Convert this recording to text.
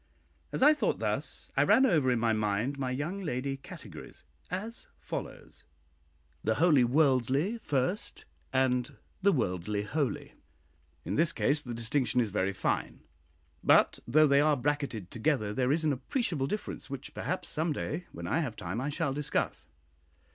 As I thought thus, I ran over in my mind my young lady categories, as follows: {The wholly worldly First, { and {The worldly holy. In this case the distinction is very fine; but though they are bracketed together, there is an appreciable difference, which perhaps, some day when I have time, I shall discuss.